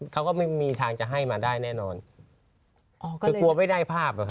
เขาก็ไม่มีทางจะให้มาได้แน่นอนอ๋อคือกลัวไม่ได้ภาพอ่ะครับ